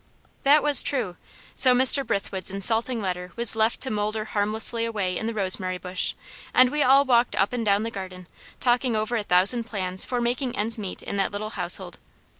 That was true. So Mr. Brithwood's insulting letter was left to moulder harmlessly away in the rosemary bush, and we all walked up and down the garden, talking over a thousand plans for making ends meet in that little household.